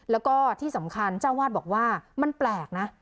แล้วก็ที่สำคัญเจ้าวาดบอกว่ามันแปลกนะ